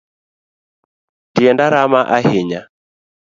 Tienda rama ahinya.